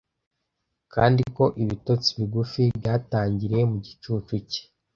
kandi ko ibitotsi bigufi byatangiriye mu gicucu cye